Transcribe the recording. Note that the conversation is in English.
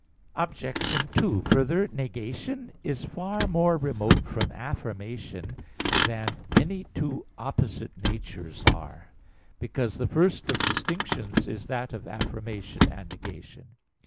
Obj. 2: Further, negation is far more remote from affirmation than any two opposite natures are; because the first of distinctions is that of affirmation and negation.